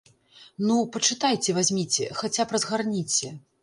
Ну, пачытайце вазьміце, хаця б разгарніце!